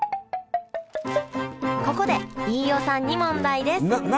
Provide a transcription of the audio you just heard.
ここで飯尾さんに問題です何？